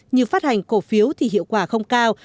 như phát hành cổ phiếu thì hiệu quả không cao